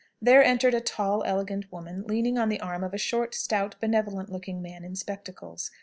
There entered a tall, elegant woman, leaning on the arm of a short, stout, benevolent looking man in spectacles.